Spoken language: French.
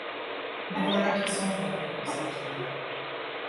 Les voilà qui s’en vont, pensa-t-il.